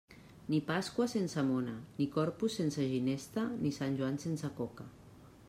Ni Pasqua sense mona, ni Corpus sense ginesta, ni Sant Joan sense coca.